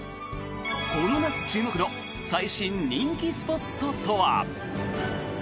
この夏注目の最新人気スポットとは。